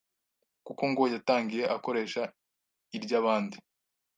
kuko ngo yatangiye akoresha iry’abandi,